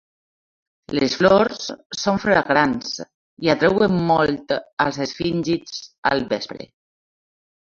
Les flors són fragants i atreuen molt als esfíngids al vespre.